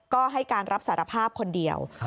ก็ให้การรับสารภาพคนเดียว